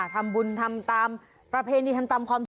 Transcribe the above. ทำบุญทำตามประเพณีทำตามความเชื่อ